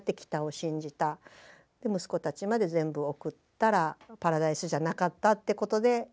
で息子たちまで全部送ったらパラダイスじゃなかったってことで。